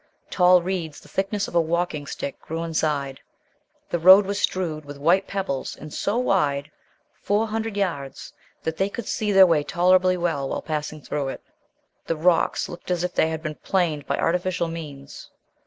Tall reeds, the thickness of a walking stick, grew inside, the road was strewed with white pebbles, and so wide four hundred yards that they could see their way tolerably well while passing through it. The rocks looked as if they had been planed by artificial means.